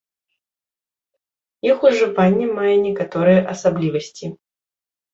Іх ужыванне мае некаторыя асаблівасці.